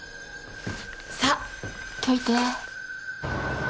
さ解いて。